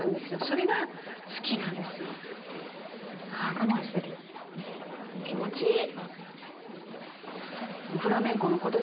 我慢したけど気持ちいい！